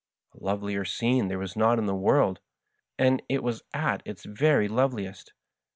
A lovelier scene there is not in the world, and it was at its very loveliest.